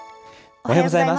おはようございます。